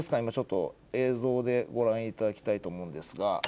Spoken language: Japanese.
今ちょっと映像でご覧いただきたいと思うんですが。